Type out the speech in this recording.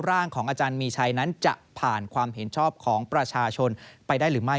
ร่างของอาจารย์มีชัยนั้นจะผ่านความเห็นชอบของประชาชนไปได้หรือไม่